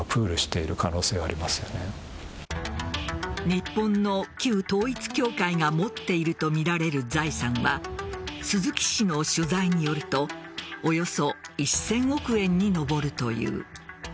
日本の旧統一教会が持っているとみられる財産は鈴木氏の取材によるとおよそ１０００億円に上るという。